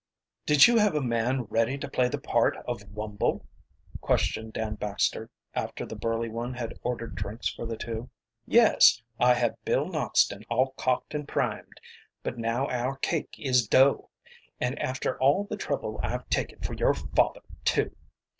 "Did you have a man ready to play the part of Wumble?" questioned Dan Baxter, after the burly one had ordered drinks for the two. "Yes, I had Bill Noxton all cocked and primed. But now our cake is dough and after all the trouble I've taken for your father, too!"